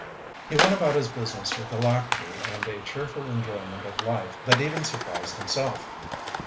He went about his business with alacrity and a cheerful enjoyment of life that even surprised himself.